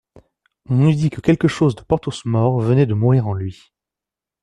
On eût dit que quelque chose de Porthos mort venait de mourir en lui.